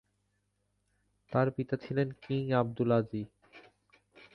তার পিতা ছিলেন কিং আব্দুলআজিক।